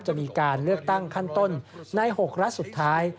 จะมีการเลือกตั้งขั้นต้นใน๖รัฐสุดท้าย